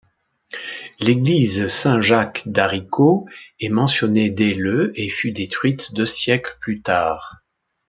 L'église Saint-Jacques, d'Arricau, est mentionnée dès le et fut détruite deux siècles plus tard.